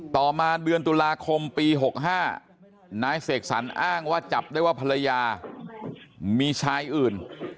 ต่อมาเดือนตุลาคมปี๖๕นายเสกสรรอ้างว่าจับได้ว่าภรรยามีชายอื่น